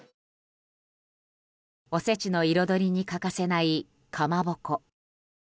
おせちの彩りに欠かせないカマボコ。